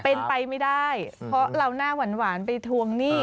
เป็นไปไม่ได้เพราะเราหน้าหวานไปทวงหนี้